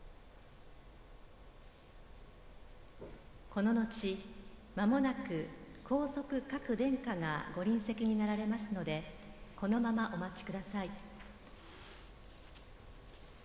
この後、まもなく皇族各殿下がご臨席になられますのでこのままお待ちください。